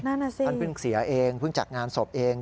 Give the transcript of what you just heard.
นั่นน่ะสิท่านเพิ่งเสียเองเพิ่งจัดงานศพเอง